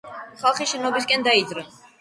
ხალხი შენობისკენ დაიძრა.